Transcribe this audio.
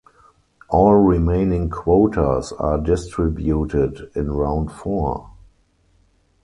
All remaining quotas are distributed in round four.